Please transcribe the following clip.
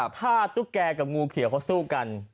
ถ้าตุ๊กแก่กับงูเขียวเขาสู้กัน